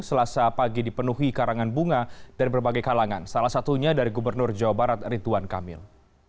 selasa pagi dipenuhi karangan bunga dari berbagai kalangan salah satunya dari gubernur jawa barat ridwan kamil